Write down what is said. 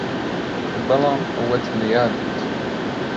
بەڵام ئەوەت لە یاد بێت